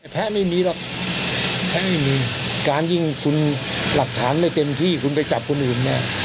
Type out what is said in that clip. แพ้ไม่มีหรอกแพ้ไม่มีการยิ่งคุณหลักฐานไม่เต็มที่คุณไปจับคนอื่นเนี่ย